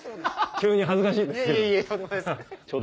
急に恥ずかしいですけど。